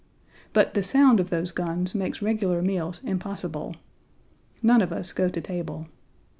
But the sound of those guns makes regular meals impossible. None of us go to table.